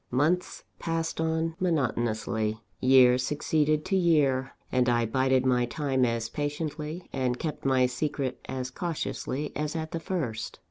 Months passed on monotonously, year succeeded to year; and I bided my time as patiently, and kept my secret as cautiously as at the first.